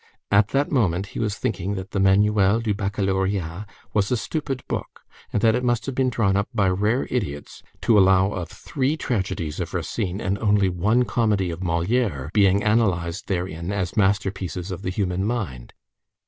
At that moment, he was thinking that the Manuel du Baccalauréat was a stupid book, and that it must have been drawn up by rare idiots, to allow of three tragedies of Racine and only one comedy of Molière being analyzed therein as masterpieces of the human mind.